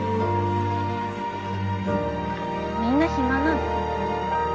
みんな暇なの？